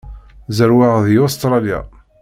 Zerweɣ deg Ustṛalya.